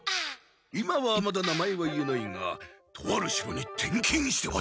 今はまだ名前は言えないがとある城に転勤してほしい。